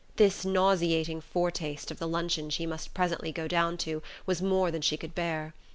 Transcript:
This nauseating foretaste of the luncheon she must presently go down to was more than she could bear.